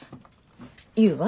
言うわ。